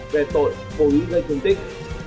về tội vô ý gây thương tích